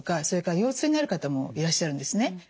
それから腰痛になる方もいらっしゃるんですね。